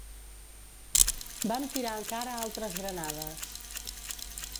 Vam tirar encara altres granades